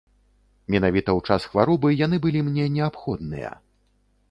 Менавіта ў час хваробы яны былі мне неабходныя.